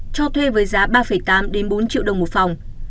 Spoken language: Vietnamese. cho thuê với giá ba tám bốn triệu đồng một phòng